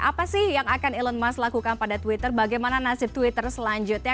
apa sih yang akan elon musk lakukan pada twitter bagaimana nasib twitter selanjutnya